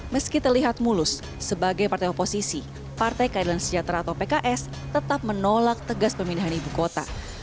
meski terlihat mulus sebagai partai oposisi partai keadilan sejahtera atau pks tetap menolak tegas pemindahan ibu kota